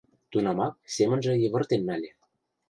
Тунамак семынже йывыртен нале.